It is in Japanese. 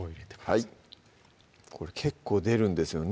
はいこれ結構出るんですよね